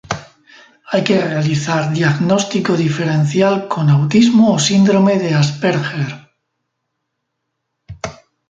Hay que realizar diagnóstico diferencial con Autismo o síndrome de Asperger.